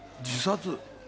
自殺？